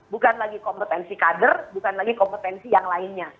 bukan lagi kompetensi kader bukan lagi kompetensi yang lainnya